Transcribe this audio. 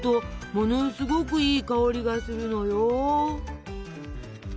ものすごくいい香りがするのよ。